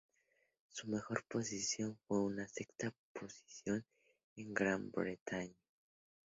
Su mejor posición fue una sexta posición en Gran Bretaña.